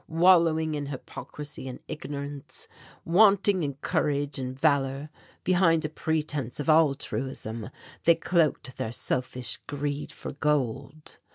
Wallowing in hypocrisy and ignorance, wanting in courage and valour; behind a pretence of altruism they cloaked their selfish greed for gold.